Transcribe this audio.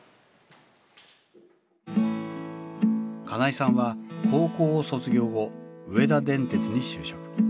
金井さんは高校を卒業後上田電鉄に就職。